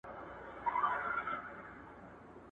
د ژوندپوهنې وسایل باید په ټولو لابراتوارونو کي موجود وي.